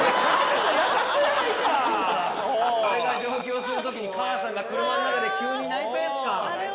俺が上京するときに母さんが車の中で急に泣いたやつか。